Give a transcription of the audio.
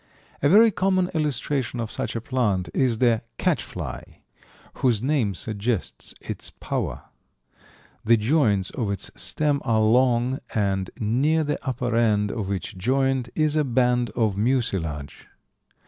A very common illustration of such a plant is the "catchfly," whose name suggests its power. The joints of its stem are long, and near the upper end of each joint is a band of mucilage.